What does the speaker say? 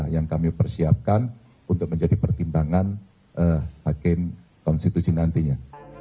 yang kami persiapkan untuk menjadi pertimbangan hakim konstitusi nantinya